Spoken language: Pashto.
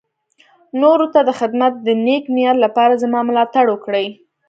نورو ته د خدمت د نېک نيت لپاره زما ملاتړ وکړي.